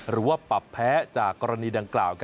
หรือว่าปรับแพ้จากกรณีดังกล่าว